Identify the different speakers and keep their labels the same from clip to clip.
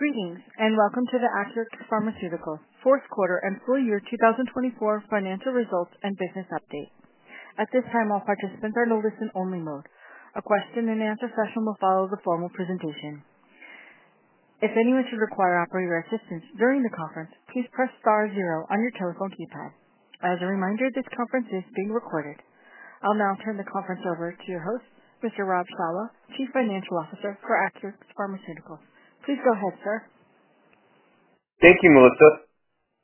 Speaker 1: Greetings and welcome to the Acurx Pharmaceuticals Fourth Quarter and Full Year 2024 Financial Results and Business Update. At this time, all participants are in a listen-only mode. A question-and-answer session will follow the formal presentation. If anyone should require operator assistance during the conference, please press star zero on your telephone keypad. As a reminder, this conference is being recorded. I'll now turn the conference over to your host, Mr. Rob Shawah, Chief Financial Officer for Acurx Pharmaceuticals. Please go ahead, sir.
Speaker 2: Thank you, Melissa.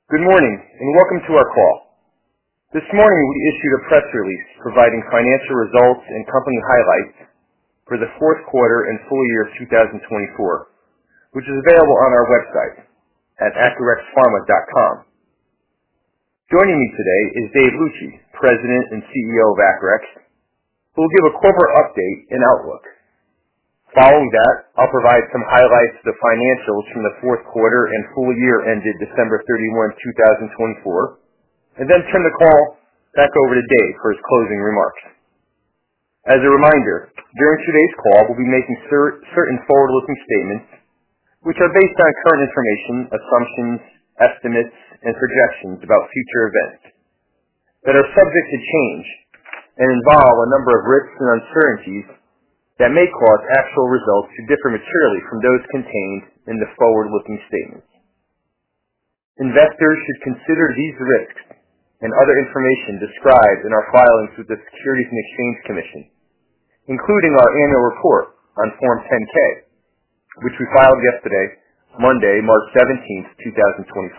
Speaker 2: Good morning and welcome to our call. This morning, we issued a press release providing financial results and company highlights for the fourth quarter and full year 2024, which is available on our website at acurxpharma.com. Joining me today is Dave Luci, President and CEO of Acurx, who will give a corporate update and outlook. Following that, I'll provide some highlights of the financials from the fourth quarter and full year ended December 31, 2024, and then turn the call back over to Dave for his closing remarks. As a reminder, during today's call, we'll be making certain forward-looking statements, which are based on current information, assumptions, estimates, and projections about future events that are subject to change and involve a number of risks and uncertainties that may cause actual results to differ materially from those contained in the forward-looking statements. Investors should consider these risks and other information described in our filings with the Securities and Exchange Commission, including our annual report on Form 10-K, which we filed yesterday, Monday, March 17th, 2025.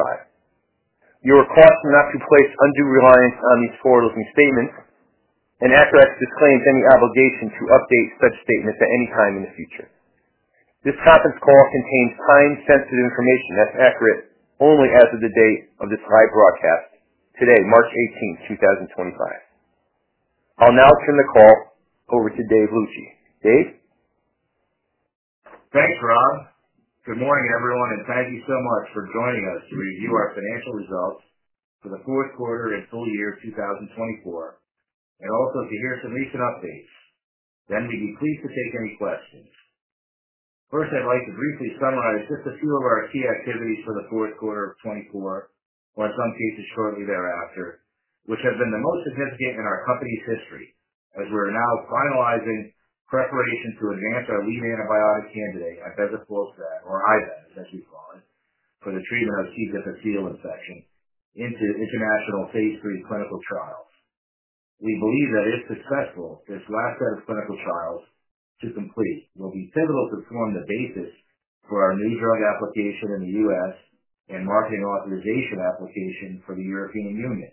Speaker 2: You are cautioned not to place undue reliance on these forward-looking statements, and Acurx disclaims any obligation to update such statements at any time in the future. This conference call contains time-sensitive information that's accurate only as of the date of this live broadcast today, March 18th, 2025. I'll now turn the call over to Dave Luci. Dave?
Speaker 3: Thanks, Rob. Good morning, everyone, and thank you so much for joining us to review our financial results for the fourth quarter and full year 2024, and also to hear some recent updates. We would be pleased to take any questions. First, I would like to briefly summarize just a few of our key activities for the fourth quarter of 2024, or in some cases shortly thereafter, which have been the most significant in our company's history as we are now finalizing preparation to advance our lead antibiotic candidate ibezapolstat, or IBZ as we call it, for the treatment of C. difficile infection into international phase III clinical trials. We believe that if successful, this last set of clinical trials to complete will be pivotal to form the basis for our new drug application in the U.S. and marketing authorization application for the European Union.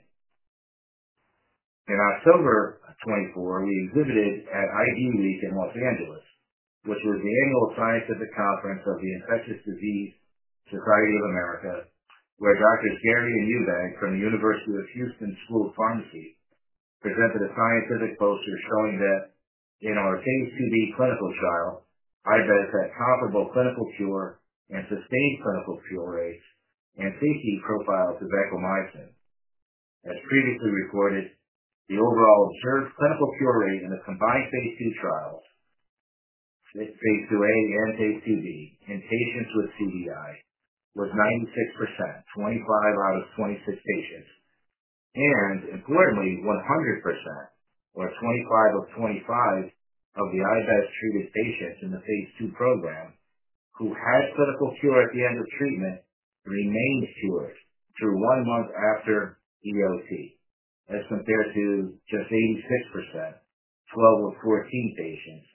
Speaker 3: In October 2024, we exhibited at IDWeek in Los Angeles, which was the annual scientific conference of the Infectious Disease Society of America, where Dr. Garey and [Ubag] from the University of Houston School of Pharmacy presented a scientific poster showing that in our phase II-B clinical trial, ibezapolstat has had comparable clinical cure and sustained clinical cure rates and safety profile to fidaxomicin. As previously reported, the overall observed clinical cure rate in the combined phase II trials, phase II-A and phase II-B, in patients with CDI was 96%, 25 out of 26 patients, and importantly, 100%, or 25 of 25 of the IBZ-treated patients in the phase II program who had clinical cure at the end of treatment remained cured through one month after EOT, as compared to just 86%, 12 of 14 patients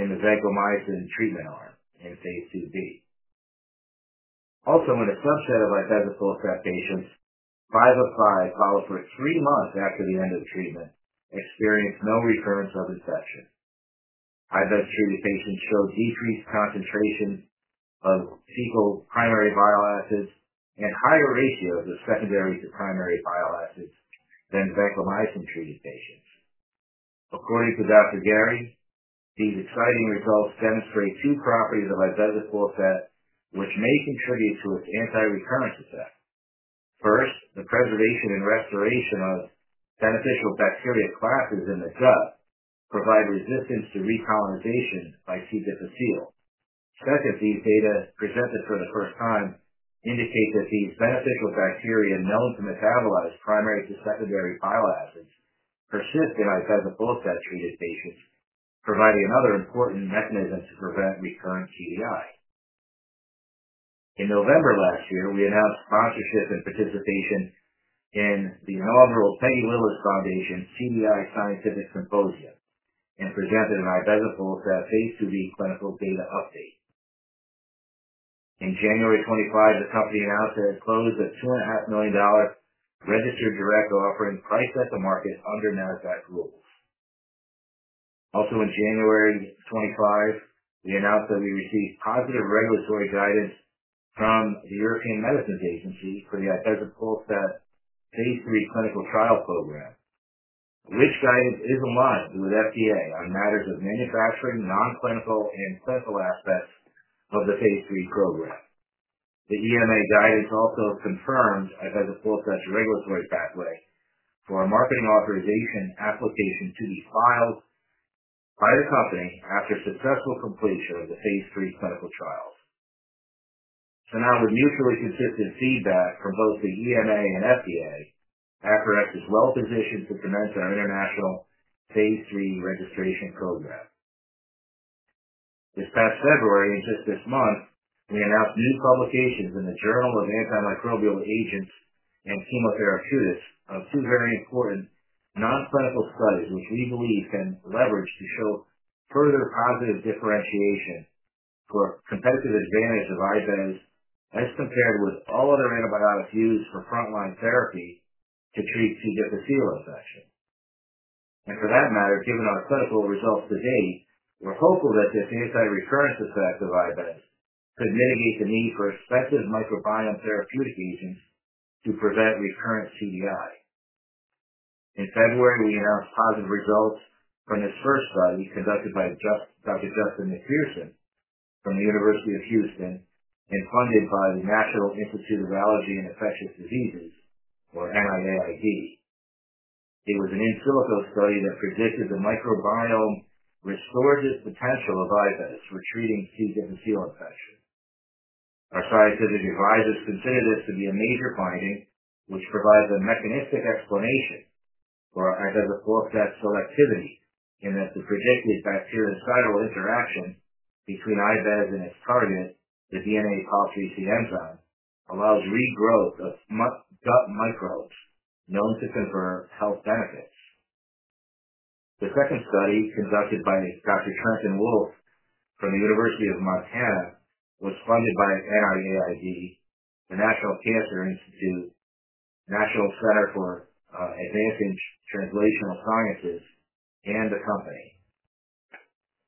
Speaker 3: in the vancomycin treatment arm in phase II-B. Also, in a subset of our ibezapolstat patients, five of five followed for three months after the end of treatment experienced no recurrence of infection. IBZ-treated patients showed decreased concentration of fecal primary bile acids and higher ratios of secondary to primary bile acids than vancomycin-treated patients. According to Dr. Garey, these exciting results demonstrate two properties of our ibezapolstat, which may contribute to its anti-recurrence effect. First, the preservation and restoration of beneficial bacteria classes in the gut provide resistance to recolonization by C. difficile. Second, these data presented for the first time indicate that these beneficial bacteria known to metabolize primary to secondary bile acids persist in our ibezapolstat-treated patients, providing another important mechanism to prevent recurrent CDI. In November last year, we announced sponsorship and participation in the inaugural Peggy Lillis Foundation CDI Scientific Symposium and presented an ibezapolstat phase II-B clinical data update. In January 2025, the company announced it had closed a $2.5 million registered direct offering priced at the market under Nasdaq rules. Also, in January 2025, we announced that we received positive regulatory guidance from the European Medicines Agency for the ibezapolstat phase III clinical trial program, which guidance is aligned with FDA on matters of manufacturing, non-clinical, and clinical aspects of the phase III program. The EMA guidance also confirms ibezapolstat's regulatory pathway for a marketing authorization application to be filed by the company after successful completion of the phase III clinical trials. Now, with mutually consistent feedback from both the EMA and FDA, Acurx is well-positioned to commence our international phase III registration program. This past February, and just this month, we announced new publications in the journal of Antimicrobial Agents and Chemotherapy of two very important non-clinical studies, which we believe can leverage to show further positive differentiation for a competitive advantage of IBZ as compared with all other antibiotics used for frontline therapy to treat C. difficile infection. For that matter, given our clinical results to date, we're hopeful that this anti-recurrence effect of IBZ could mitigate the need for expensive microbiome therapeutic agents to prevent recurrent CDI. In February, we announced positive results from this first study conducted by Dr. Justin McPherson from the University of Houston and funded by the National Institute of Allergy and Infectious Diseases, or NIAID. It was an in silico study that predicted the microbiome restorative potential of IBZ for treating C. difficile infection. Our scientific advisors consider this to be a major finding, which provides a mechanistic explanation for ibezapolstat selectivity in that the predicted bactericidal interaction between ibezapolstat and its target, the DNA pol IIIC enzyme, allows regrowth of gut microbes known to confer health benefits. The second study, conducted by Dr. Travis Walz from the University of Montana, was funded by NIAID, the National Cancer Institute, National Center for Advancing Translational Sciences, and the Company.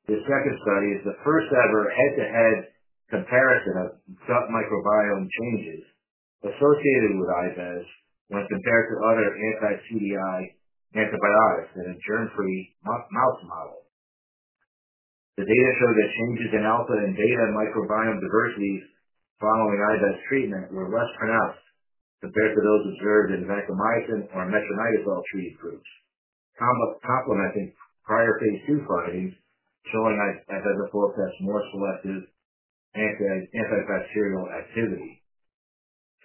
Speaker 3: This second study is the first-ever head-to-head comparison of gut microbiome changes associated with IBZ when compared to other anti-CDI antibiotics in a germ-free mouse model. The data showed that changes in alpha and beta microbiome diversities following IBZ treatment were less pronounced compared to those observed in vancomycin or metronidazole-treated groups, complementing prior phase II findings showing ibezapolstat's more selective antibacterial activity.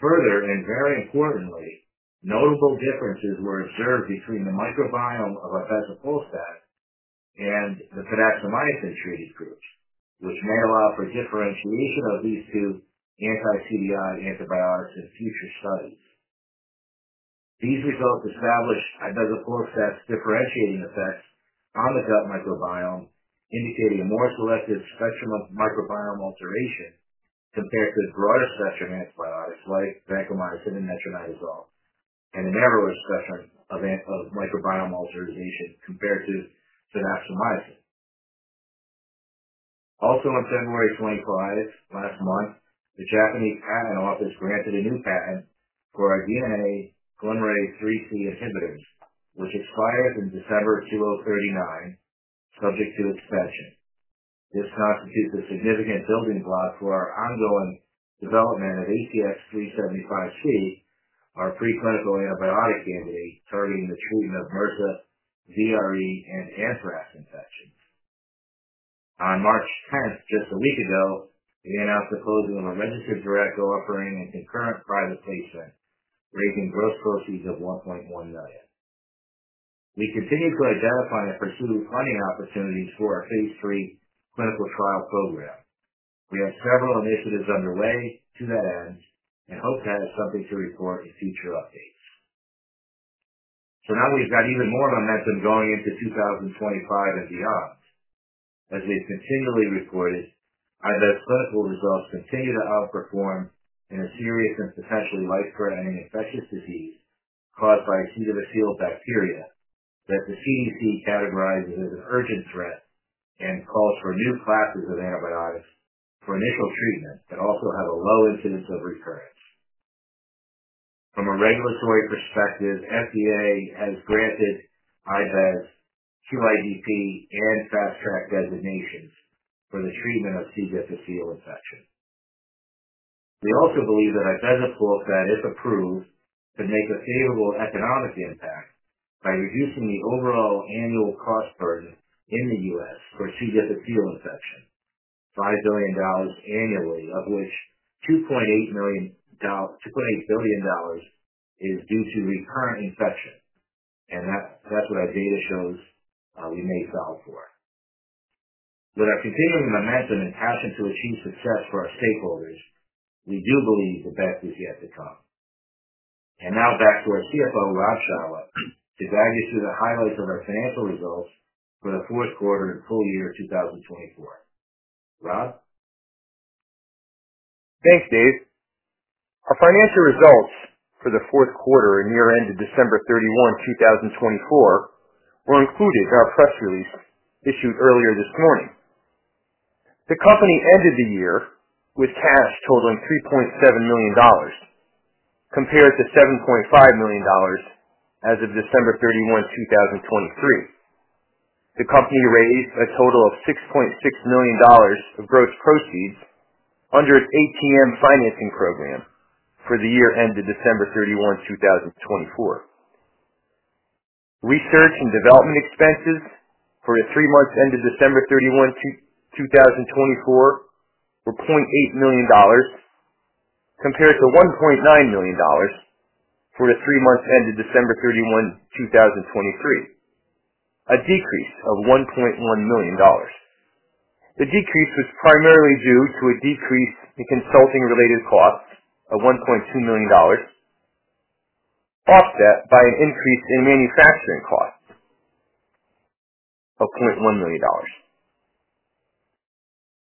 Speaker 3: Further, and very importantly, notable differences were observed between the microbiome of ibezapolstat and the fidaxomicin-treated groups, which may allow for differentiation of these two anti-CDI antibiotics in future studies. These results establish ibezapolstat's differentiating effects on the gut microbiome, indicating a more selective spectrum of microbiome alteration compared to the broader spectrum of antibiotics like vancomycin and metronidazole, and a narrower spectrum of microbiome alteration compared to fidaxomicin. Also, in February 2025, last month, the Japanese Patent Office granted a new patent for our DNA polymerase IIIC inhibitors, which expires in December 2039, subject to expansion. This constitutes a significant building block for our ongoing development of ACX-375C, our preclinical antibiotic candidate targeting the treatment of MRSA, VRE, and Anthrax infections. On March 10, just a week ago, we announced the closing of a registered direct offering and concurrent private placement, raising gross proceeds of $1.1 million. We continue to identify and pursue funding opportunities for our phase III clinical trial program. We have several initiatives underway to that end and hope to have something to report in future updates. Now we've got even more momentum going into 2025 and beyond. As we've continually reported, IBZ clinical results continue to outperform in a serious and potentially life-threatening infectious disease caused by C. difficile bacteria that the CDC categorizes as an urgent threat and calls for new classes of antibiotics for initial treatment that also have a low incidence of recurrence. From a regulatory perspective, FDA has granted IBZ, QIDP, and Fast Track designations for the treatment of C. difficile infection. We also believe that ibezapolstat, if approved, could make a favorable economic impact by reducing the overall annual cost burden in the U.S. for C. difficile infection, $5 billion annually, of which $2.8 billion is due to recurrent infection, and that's what our data shows we may file for. With our continuing momentum and passion to achieve success for our stakeholders, we do believe the best is yet to come. Now back to our CFO, Rob Shawah, to guide you through the highlights of our financial results for the fourth quarter and full year 2024. Rob?
Speaker 2: Thanks, Dave. Our financial results for the fourth quarter and year-end of December 31, 2024, were included in our press release issued earlier this morning. The company ended the year with cash totaling $3.7 million, compared to $7.5 million as of December 31, 2023. The company raised a total of $6.6 million of gross proceeds under its ATM financing program for the year-end of December 31, 2024. Research and development expenses for the three months ended December 31, 2024, were $0.8 million, compared to $1.9 million for the three months ended December 31, 2023, a decrease of $1.1 million. The decrease was primarily due to a decrease in consulting-related costs of $1.2 million, offset by an increase in manufacturing costs of $0.1 million.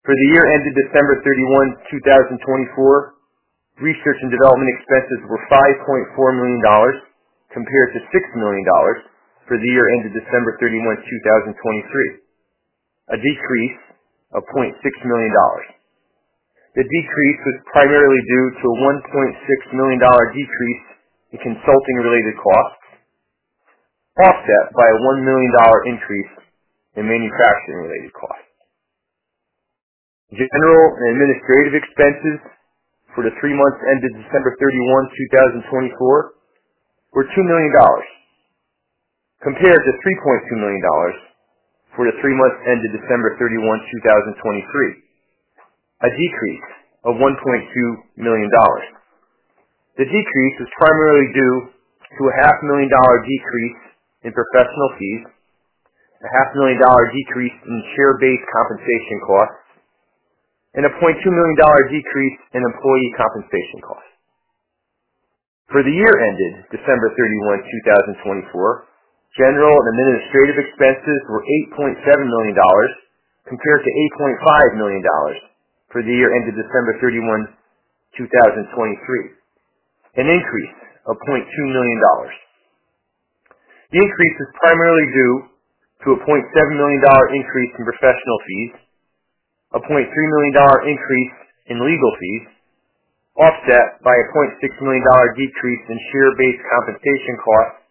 Speaker 2: For the year-end of December 31, 2024, research and development expenses were $5.4 million, compared to $6 million for the year-end of December 31, 2023, a decrease of $0.6 million. The decrease was primarily due to a $1.6 million decrease in consulting-related costs, offset by a $1 million increase in manufacturing-related costs. General and administrative expenses for the three months ended December 31, 2024, were $2 million, compared to $3.2 million for the three months ended December 31, 2023, a decrease of $1.2 million. The decrease was primarily due to a $0.5 million decrease in professional fees, a $0.5 million decrease in share-based compensation costs, and a $0.2 million decrease in employee compensation costs. For the year-end of December 31, 2024, general and administrative expenses were $8.7 million, compared to $8.5 million for the year-end of December 31, 2023, an increase of $0.2 million. The increase was primarily due to a $0.7 million increase in professional fees, a $0.3 million increase in legal fees, offset by a $0.6 million decrease in share-based compensation costs,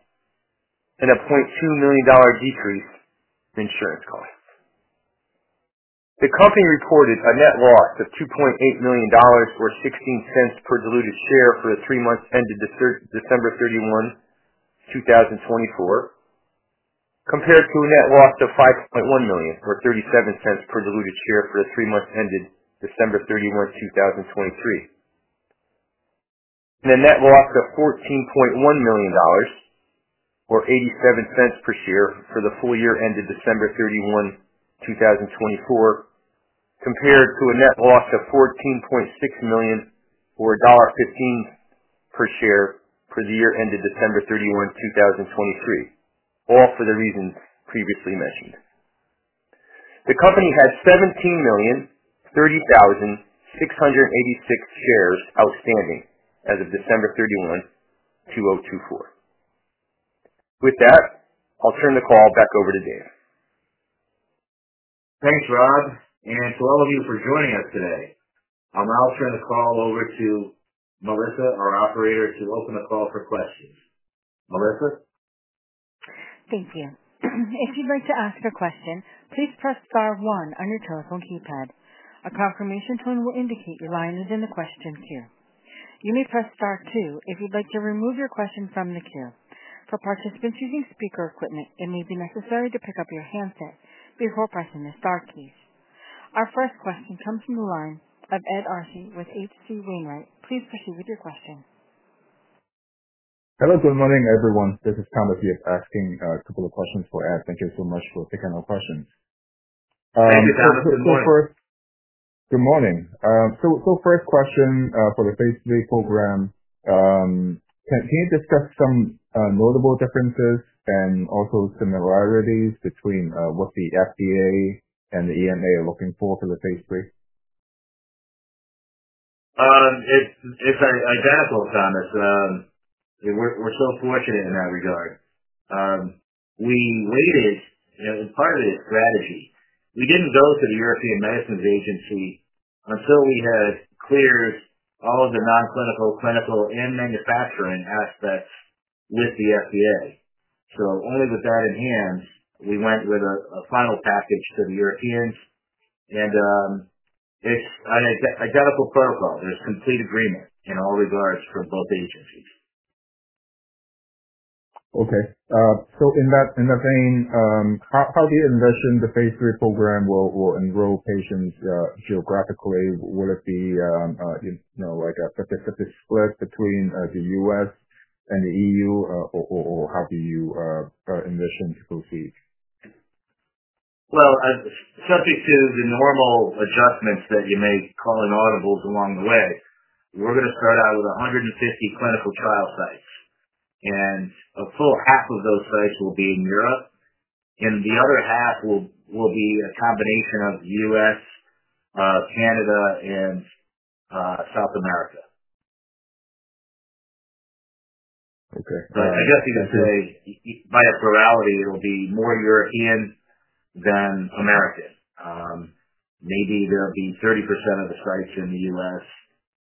Speaker 2: and a $0.2 million decrease in insurance costs. The company reported a net loss of $2.8 million, or $0.16 per diluted share, for the three months ended December 31, 2024, compared to a net loss of $5.1 million, or $0.37 per diluted share, for the three months ended December 31, 2023, and a net loss of $14.1 million, or $0.87 per share, for the full year-end of December 31, 2024, compared to a net loss of $14.6 million, or $1.15 per share, for the year-end of December 31, 2023, all for the reasons previously mentioned. The company had 17,030,686 shares outstanding as of December 31, 2024. With that, I'll turn the call back over to Dave.
Speaker 3: Thanks, Rob, and to all of you for joining us today. I'll now turn the call over to Melissa, our operator, to open the call for questions. Melissa?
Speaker 1: Thank you. If you'd like to ask a question, please press star 1 on your telephone keypad. A confirmation tone will indicate your line is in the question queue. You may press star 2 if you'd like to remove your question from the queue. For participants using speaker equipment, it may be necessary to pick up your handset before pressing the star keys. Our first question comes from the line of Ed Arce with H.C. Wainwright. Please proceed with your question.
Speaker 4: Hello, good morning, everyone. This is Thomas Yip asking a couple of questions for Ed. Thank you so much for taking our questions.
Speaker 3: Thank you, Thomas. Good morning.
Speaker 4: Good morning. First question for the phase III program, can you discuss some notable differences and also similarities between what the FDA and the EMA are looking for for the phase III?
Speaker 3: It's identical, Thomas. We're so fortunate in that regard. We waited, and part of it is strategy. We didn't go to the European Medicines Agency until we had cleared all of the non-clinical, clinical, and manufacturing aspects with the FDA. Only with that in hand, we went with a final package to the Europeans, and it's identical protocol. There's complete agreement in all regards from both agencies.
Speaker 4: Okay. In that vein, how do you envision the phase III program will enroll patients geographically? Will it be like a specific split between the U.S. and the EU, or how do you envision to proceed?
Speaker 3: Subject to the normal adjustments that you may call inaudibles along the way, we're going to start out with 150 clinical trial sites, and a full half of those sites will be in Europe, and the other half will be a combination of the U.S., Canada, and South America.
Speaker 4: Okay. That's good.
Speaker 3: I guess you could say, by a plurality, it'll be more European than American. Maybe there'll be 30% of the sites in the U.S.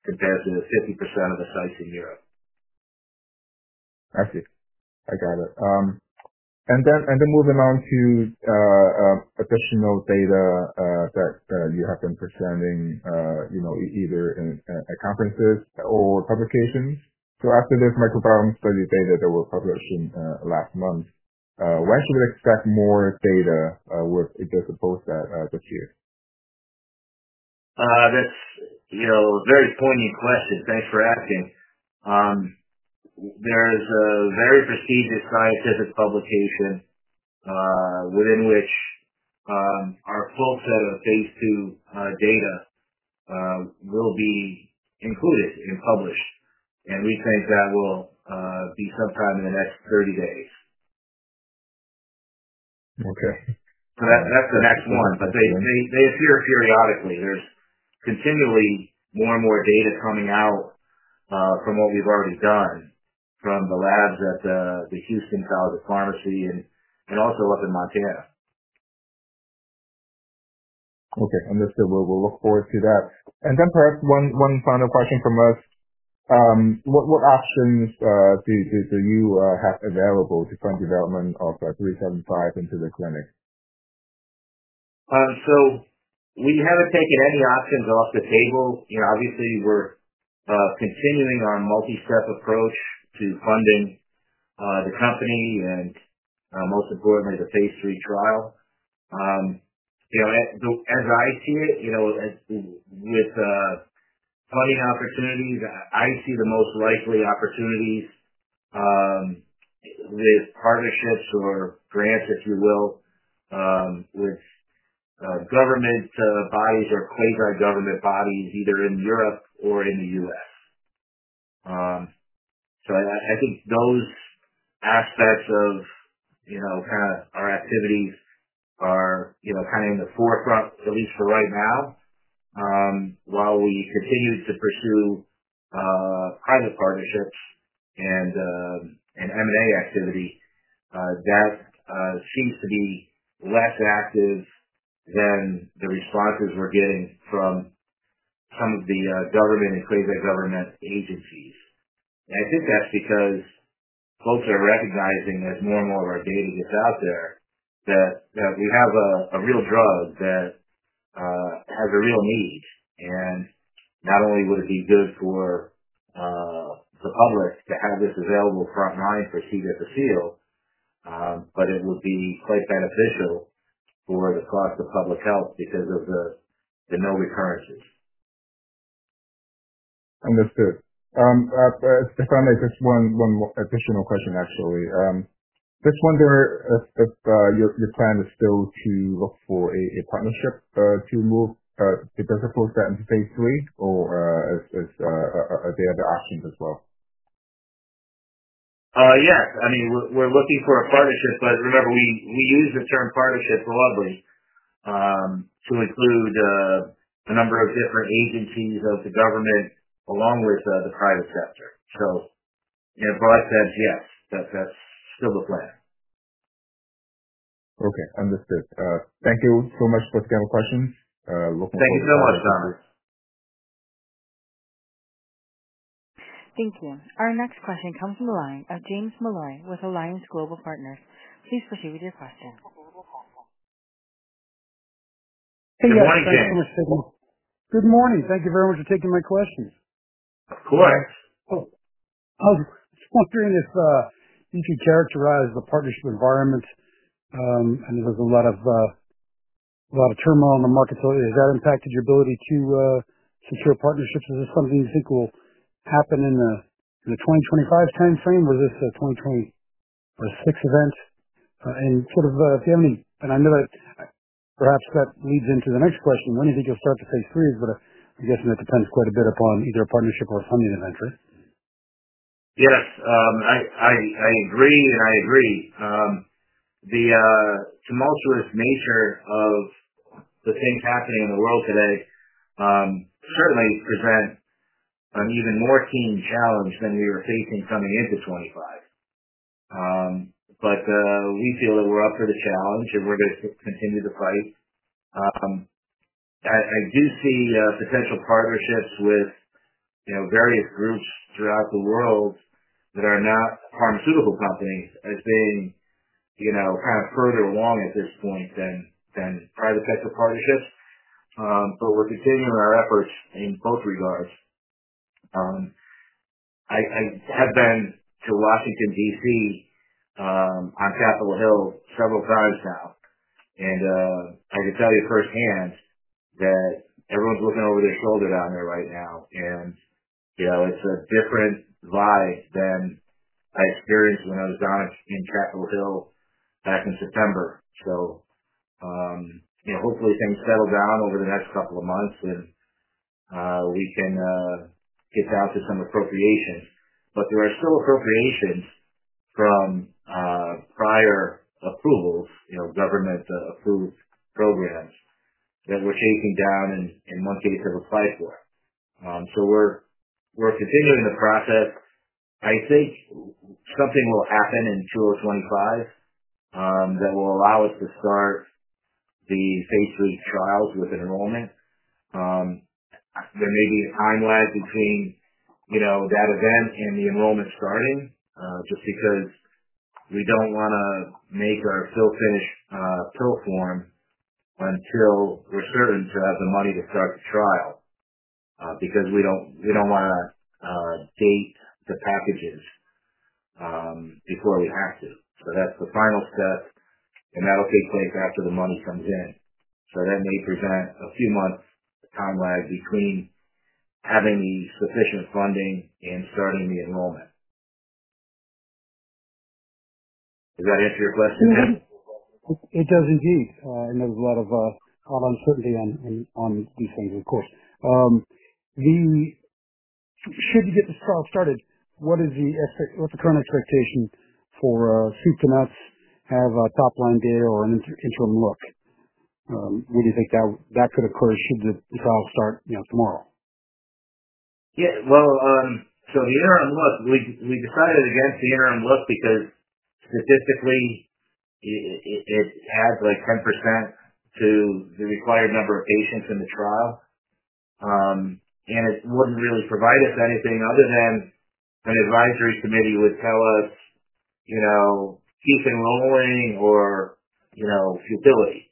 Speaker 3: compared to 50% of the sites in Europe.
Speaker 4: I see. I got it. Moving on to additional data that you have been presenting, either at conferences or publications. After this microbiome study data that was published last month, when should we expect more data with ibezapolstat this year?
Speaker 3: That's a very poignant question. Thanks for asking. There's a very prestigious scientific publication within which our full set of phase II data will be included and published, and we think that will be sometime in the next 30 days.
Speaker 4: Okay.
Speaker 3: That's the next one, but they appear periodically. There's continually more and more data coming out from what we've already done from the labs at the Houston College of Pharmacy and also up in Montana.
Speaker 4: Okay. Understood. We'll look forward to that. Perhaps one final question from us. What options do you have available to fund development of 375 into the clinic?
Speaker 3: We have not taken any options off the table. Obviously, we are continuing our multi-step approach to funding the company and, most importantly, the phase III trial. As I see it, with funding opportunities, I see the most likely opportunities with partnerships or grants, if you will, with government bodies or quasi-government bodies, either in Europe or in the U.S. I think those aspects of our activities are in the forefront, at least for right now. While we continue to pursue private partnerships and M&A activity, that seems to be less active than the responses we are getting from some of the government and quasi-government agencies. I think that is because folks are recognizing, as more and more of our data gets out there, that we have a real drug that has a real need. Not only would it be good for the public to have this available frontline for C. difficile, but it would be quite beneficial for the cost of public health because of the no recurrences.
Speaker 4: Understood. If I may, just one additional question, actually. Just wonder if your plan is still to look for a partnership to move ibezapolstat into phase III, or are there other options as well?
Speaker 3: Yes. I mean, we're looking for a partnership, but remember, we use the term partnership broadly to include a number of different agencies of the government along with the private sector. In a broad sense, yes, that's still the plan.
Speaker 4: Okay. Understood. Thank you so much for the questions. Looking forward to.
Speaker 3: Thank you so much, Thomas.
Speaker 1: Thank you. Our next question comes from the line of James Molloy with Alliance Global Partners. Please proceed with your question.
Speaker 3: Good morning, James.
Speaker 5: Good morning. Thank you very much for taking my questions.
Speaker 3: Of course.
Speaker 5: Oh. I was just wondering if you could characterize the partnership environment, and there's a lot of turmoil in the market. Has that impacted your ability to secure partnerships? Is this something you think will happen in the 2025 timeframe, or is this a 2026 event? If you have any—and I know that perhaps that leads into the next question. When do you think you'll start the phase IIIs? I'm guessing that depends quite a bit upon either a partnership or a funding event, right?
Speaker 3: Yes. I agree, and I agree. The tumultuous nature of the things happening in the world today certainly presents an even more keen challenge than we were facing coming into 2025. We feel that we're up for the challenge, and we're going to continue to fight. I do see potential partnerships with various groups throughout the world that are not pharmaceutical companies as being kind of further along at this point than private sector partnerships. We're continuing our efforts in both regards. I have been to Washington, D.C., on Capitol Hill several times now, and I can tell you firsthand that everyone's looking over their shoulder down there right now, and it's a different vibe than I experienced when I was down in Capitol Hill back in September. Hopefully, things settle down over the next couple of months, and we can get down to some appropriations. There are still appropriations from prior approvals, government-approved programs that we're chasing down and, in one case, have applied for. We're continuing the process. I think something will happen in 2025 that will allow us to start the phase III trials with enrollment. There may be a time lag between that event and the enrollment starting just because we don't want to make our fill-finish pill form until we're certain to have the money to start the trial because we don't want to date the packages before we have to. That's the final step, and that'll take place after the money comes in. That may present a few months' time lag between having the sufficient funding and starting the enrollment. Does that answer your question?
Speaker 5: It does indeed. There is a lot of uncertainty on these things, of course. Should you get this trial started, what is the current expectation for soup to nuts, have top-line data, or an interim look? What do you think that could occur should the trial start tomorrow?
Speaker 3: Yeah. The interim look, we decided against the interim look because, statistically, it adds like 10% to the required number of patients in the trial, and it would not really provide us anything other than an advisory committee would tell us keep enrolling or futility.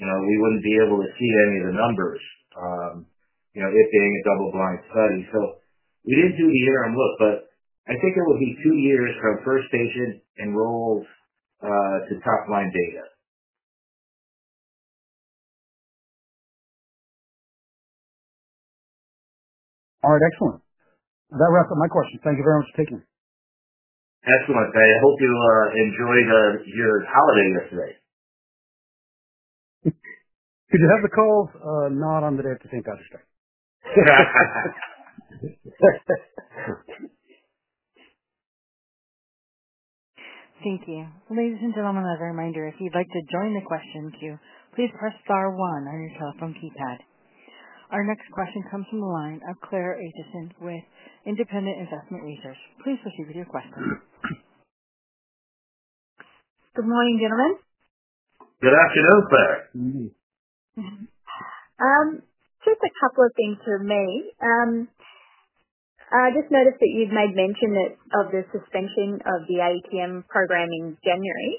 Speaker 3: We would not be able to see any of the numbers, it being a double-blind study. We did not do the interim look, but I think it would be two years from first patient enrolls to top-line data.
Speaker 5: All right. Excellent. That wraps up my questions. Thank you very much for taking them.
Speaker 3: Excellent. I hope you enjoyed your holiday yesterday.
Speaker 5: Could you have the call? Not on the day of today's podcast.
Speaker 1: Thank you. Ladies and gentlemen, as a reminder, if you'd like to join the question queue, please press star 1 on your telephone keypad. Our next question comes from the line of Claire Aitchison with Independent Investment Research. Please proceed with your question.
Speaker 6: Good morning, gentlemen.
Speaker 3: Good afternoon, Claire.
Speaker 6: Just a couple of things from me. I just noticed that you'd made mention of the suspension of the ATM program in January.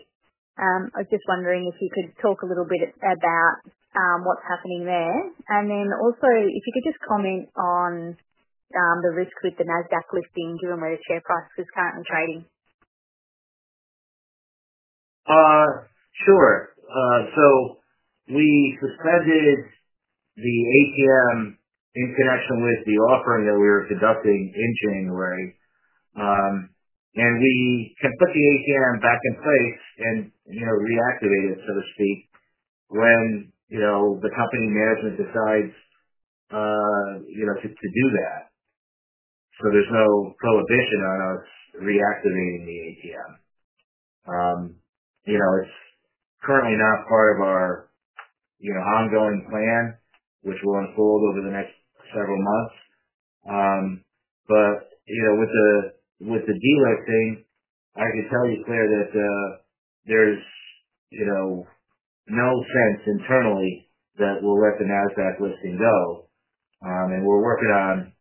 Speaker 6: I was just wondering if you could talk a little bit about what's happening there. Also, if you could just comment on the risk with the Nasdaq listing given where the share price is currently trading.
Speaker 3: Sure. We suspended the ATM in connection with the offering that we were conducting in January, and we can put the ATM back in place and reactivate it, so to speak, when the company management decides to do that. There is no prohibition on us reactivating the ATM. It is currently not part of our ongoing plan, which will unfold over the next several months. With the de-listing, I can tell you, Claire, that there is no sense internally that we will let the Nasdaq listing go. We are working on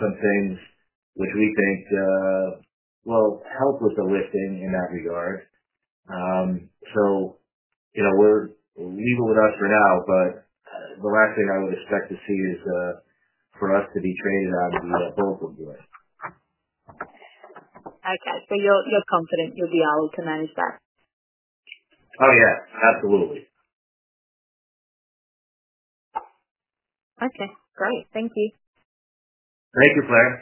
Speaker 3: some things which we think will help with the listing in that regard. Leave it with us for now, but the last thing I would expect to see is for us to be traded out of the Bulletin Board.
Speaker 6: Okay. So you're confident you'll be able to manage that?
Speaker 3: Oh, yes. Absolutely.
Speaker 6: Okay. Great. Thank you.
Speaker 3: Thank you, Claire.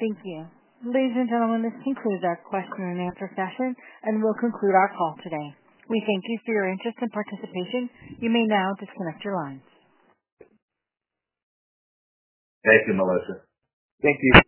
Speaker 1: Thank you. Ladies and gentlemen, this concludes our question and answer session, and we'll conclude our call today. We thank you for your interest and participation. You may now disconnect your lines.
Speaker 3: Thank you, Melissa.
Speaker 2: Thank you.